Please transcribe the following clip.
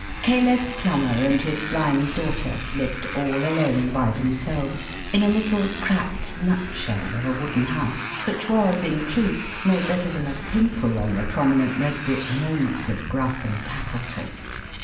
Caleb Plummer and his Blind Daughter lived all alone by themselves, in a little cracked nutshell of a wooden house, which was, in truth, no better than a pimple on the prominent red brick nose of Gruff and Tackleton.